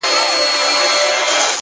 لوړ هدفونه استقامت او نظم غواړي!.